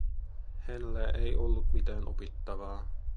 Hänellä ei ollut mitään opittavaa.